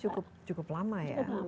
jadi cukup lama ya